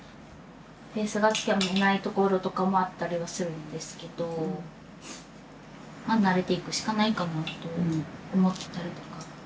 ペースがつかめないところとかもあったりはするんですけどまあ慣れていくしかないかなと思ったりとか。